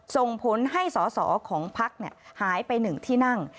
ส่งผลให้สอสอของพักหายไป๑ที่นั่ง